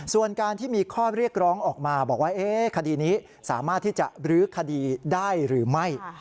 ส่วนการที่มีข้อเรียกร้องออกมาบอกว่าคดีนี้สามารถที่จะรื้อคดีได้หรือไม่